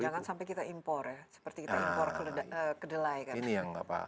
jangan sampai kita impor ya seperti kita impor ke delai kan